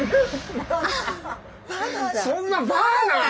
「そんなバーナー」？